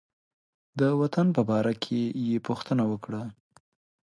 د وطن په باره کې یې پوښتنه وکړه.